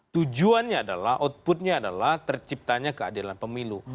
tujuannya adalah output nya adalah terciptanya keadilan pemilu